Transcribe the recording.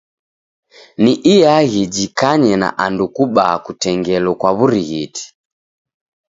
Ni iaghi jikanye na andu kubaa kutengelo kwa w'urighiti.